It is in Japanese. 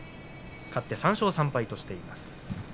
勝って３勝３敗としています。